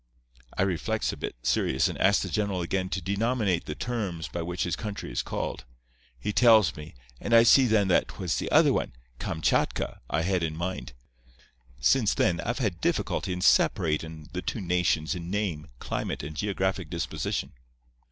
"I reflects a bit, serious, and asks the general again to denominate the terms by which his country is called. He tells me, and I see then that 'twas the t'other one, Kamchatka, I had in mind. Since then I've had difficulty in separatin' the two nations in name, climate and geographic disposition.